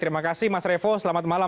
terima kasih mas revo selamat malam